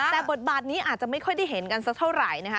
แต่บทบาทนี้อาจจะไม่ค่อยได้เห็นกันสักเท่าไหร่นะคะ